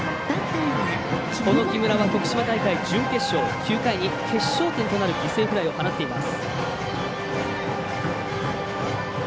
この木村は徳島大会準決勝９回に決勝点となる犠牲フライを放っています。